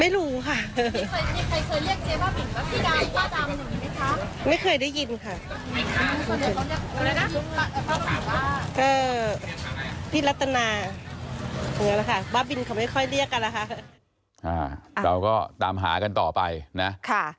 เราก็ตามหากันต่อไปนะ